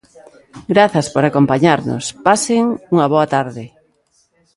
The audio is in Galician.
Grazas por acompañarnos, pasean unha boa tarde.